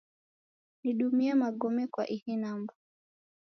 Nidumie magome kwa ihi namba.